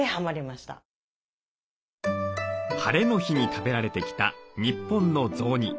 晴れの日に食べられてきた日本の雑煮。